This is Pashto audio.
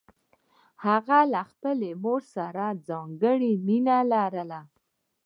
هغه له خپلې مور سره ځانګړې مینه لرله